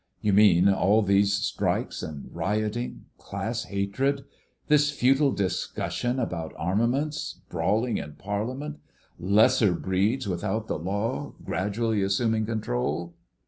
"You mean all these strikes and rioting—class hatred—this futile discussion about armaments—brawling in Parliament.... 'Lesser breeds without the law' gradually assuming control....?"